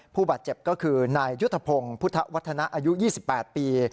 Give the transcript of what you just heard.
ผู้บาดเจ็บก็คือนายยุทธพงศ์พุทธวัฒนะอายุ๒๘ปี